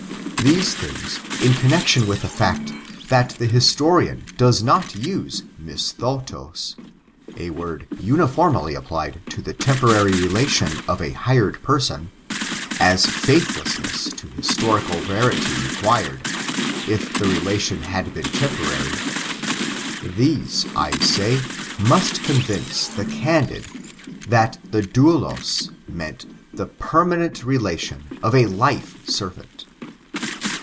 These things, in connection with the fact, that the histo rian does not use misthotos — a word uniformly applied to the temporary relation of a hired person, as faithfulness to historical verity required, if the I'elation had been temporary — these, I say, must convince the candid, that doulos means the permanent relation of a life servant.